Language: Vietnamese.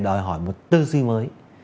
đòi hỏi một tư duy mới